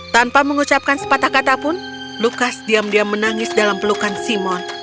tanpa mengucapkan sepatah kata pun lukas diam diam menangis dalam pelukan simon